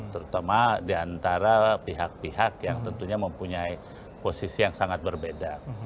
terutama di antara pihak pihak yang tentunya mempunyai posisi yang sangat berbeda